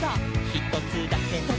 「ひとつだけ」